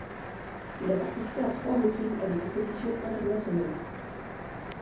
Il a participé à trois reprises à des compétitions internationales.